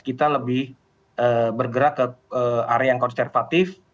kita lebih bergerak ke area yang konservatif